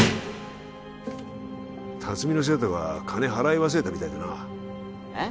龍海の生徒が金払い忘れたみたいでなえっ？